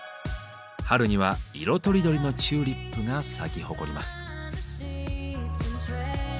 春には色とりどりのチューリップが咲き誇ります。